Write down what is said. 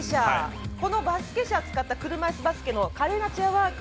このバスケ車を使った車いすバスケの華麗なチェアワーク。